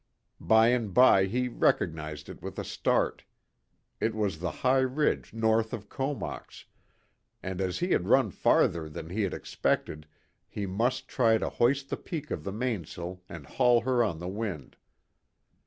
By and by he recognised it with a start. It was the high ridge north of Comox, and as he had run farther than he had expected, he must try to hoist the peak of the mainsail and haul her on the wind.